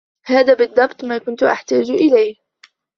هذا بالضبط ما كنت أحتاج إليه.